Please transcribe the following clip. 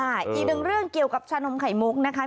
อีกหนึ่งเรื่องเกี่ยวกับชานมไข่มุกนะคะ